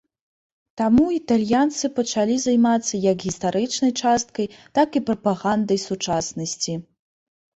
Таму італьянцы пачалі займацца як гістарычнай часткай, так і прапагандай сучаснасці.